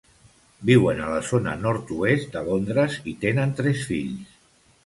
Viuen a la zona nord-oest de Londres i tenen tres fills.